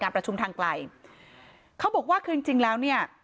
ประชุมทางไกลเขาบอกว่าคือจริงจริงแล้วเนี่ย